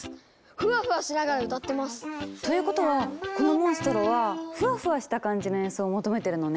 フワフワしながら歌ってます！ということはこのモンストロはフワフワした感じの演奏を求めてるのね。